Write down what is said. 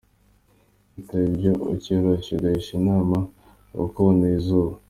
Bitaba ibyo ukiyoroshya ukagisha inama abakuboneye izuba.